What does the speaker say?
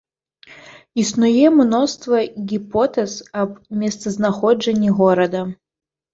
Існуе мноства гіпотэз аб месцазнаходжанні горада.